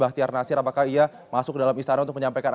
bahtiar nasir apakah ia masuk ke dalam istana untuk menyampaikan